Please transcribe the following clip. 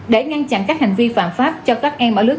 để ngăn chặn các hành vi phản pháp cho các em ở lưới tuổi